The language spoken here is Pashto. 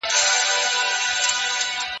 د ښووني او روزني برخه سياسي پاملرني ته اړتيا لري.